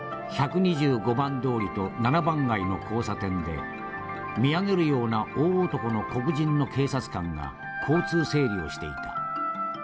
１２５番通りと７番街の交差点で見上げるような大男の黒人の警察官が交通整理をしていた。